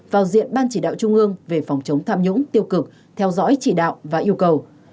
vào diện ban chỉ đạo trung ương về phòng chống tham nhũng tiêu cực theo dõi chỉ đạo và yêu cầu